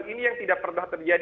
ini yang tidak pernah terjadi